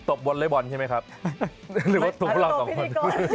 ตบวลัยบอลใช่ไหมครับหรือว่าตบเราสองคน